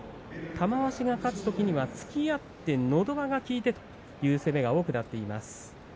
玉鷲が勝つときには突き合ってのど輪が効いてという相撲が多くなっています。